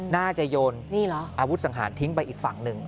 น่าจะโยนอาวุธสังหารทิ้งไปอีกฝั่งหนึ่ง